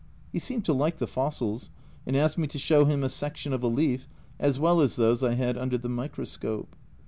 He seemed to like the fossils, and asked me to show him a section of a leaf, as well as those I had under the microscope.